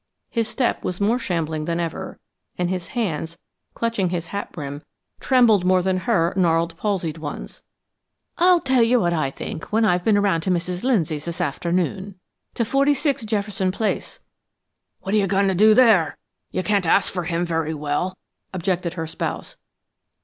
His step was more shambling than ever, and his hands, clutching his hat brim, trembled more than her gnarled, palsied ones. "I'll tell you what I think when I've been around to Mrs. Lindsay's this afternoon to 46 Jefferson Place." "What're you goin' to do there? You can't ask for him, very well," objected her spouse.